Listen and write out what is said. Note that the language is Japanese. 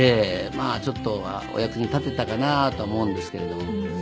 まあちょっとはお役に立てたかなと思うんですけれども。